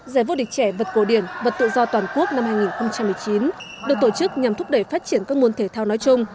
giải vô địch trẻ vật cổ điển vật tự do toàn quốc năm hai nghìn một mươi chín được tổ chức nhằm thúc đẩy phát triển các môn thể thao nói chung